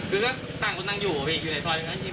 คือต่างคนนั่งอยู่เพียงอยู่ในตัวอย่างนั้น